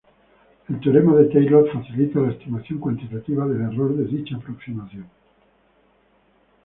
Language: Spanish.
El Teorema de Taylor facilita la estimación cuantitativa del error de dicha aproximación.